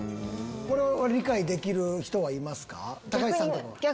これを理解できる人はいますか？